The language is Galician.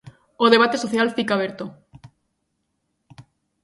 O debate social fica aberto.